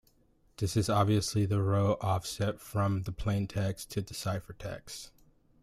This is obviously the row offset from the plaintext to the ciphertext.